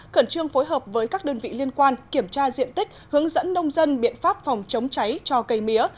cẩn trương phối hợp với các đơn vị liên quan kiểm tra diện tích hướng dẫn nông dân biện pháp phòng chống cháy cho cây mía